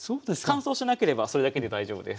乾燥しなければそれだけで大丈夫です。